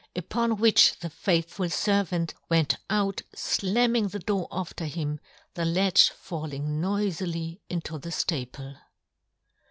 Upon which the faithful fervant went out flamming the door after him, the latch falling noifilyinto the ftaple.